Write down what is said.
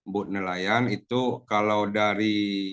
booth nelayan itu kalau dari